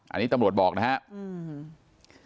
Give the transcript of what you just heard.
อันนี้ตำรวจบอกนะครับ